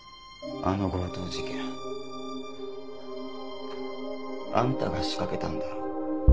あの強盗事件あんたが仕掛けたんだろ？